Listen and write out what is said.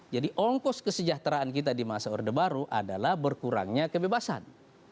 jadi ongkos kesejahteraan kita di masa orde baru adalah berkurangnya kebebasan